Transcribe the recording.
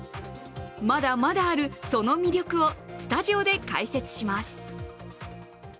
まだまだあるその魅力をスタジオで開設します。